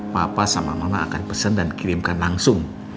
papa sama mama akan pesen dan kirimkan langsung